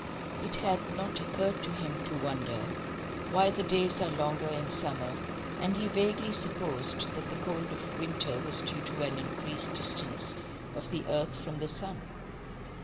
It had not occurred to him to wonder why the days are longer in summer, and he vaguely supposed that the cold of winter was due to an increased distance of the earth from the sun.